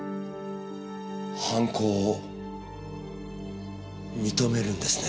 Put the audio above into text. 犯行を認めるんですね？